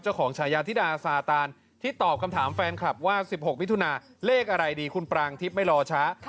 ฉายาธิดาซาตานที่ตอบคำถามแฟนคลับว่า๑๖มิถุนาเลขอะไรดีคุณปรางทิพย์ไม่รอช้า